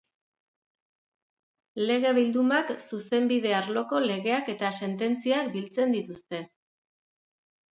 Lege-bildumak zuzenbide arloko legeak eta sententziak biltzen dituzte.